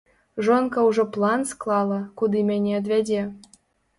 Жонка ўжо план склала, куды мяне адвядзе.